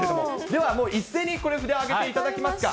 ではもう一斉にこれ札を挙げていただきますか。